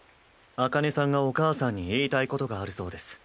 紅葉さんがお母さんに言いたいことがあるそうです。